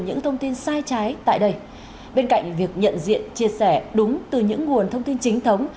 những thông tin sai trái tại đây bên cạnh việc nhận diện chia sẻ đúng từ những nguồn thông tin chính thống